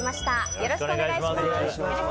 よろしくお願いします。